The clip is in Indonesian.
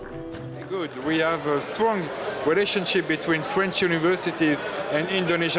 kita memiliki hubungan yang kuat antara universitas perancis dan universitas indonesia